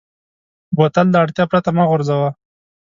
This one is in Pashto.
بوتل له اړتیا پرته مه غورځوه.